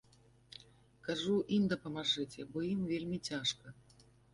Кажу, ім дапамажыце, бо ім вельмі цяжка.